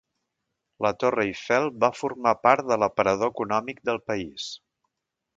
La Torre Eiffel va formar part de l'aparador econòmic del país.